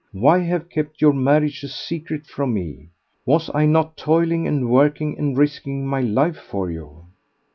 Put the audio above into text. Why have kept your marriage a secret from me? Was I not toiling and working and risking my life for you?"